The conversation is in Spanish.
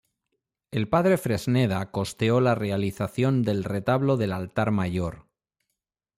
El Padre Fresneda costeó la realización del retablo del altar mayor.